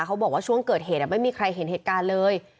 เขาบอกว่าช่วงเกิดเหตุไม่มีใครเห็นเหตุการณ์เลย